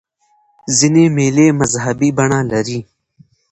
ځیني مېلې مذهبي بڼه لري.